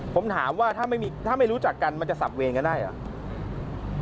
ผมถามว่าถ้าไม่รู้จักกันมันจะสับเวรก็ได้เหรอ